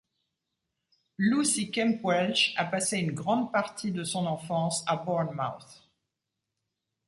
Lucy Kemp-Welch a passé une grande partie de son enfance à Bournemouth.